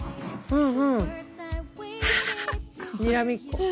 うん。